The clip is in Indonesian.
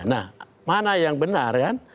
nah mana yang benar kan